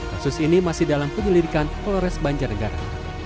kasus ini masih dalam penyelidikan polores banjarnegara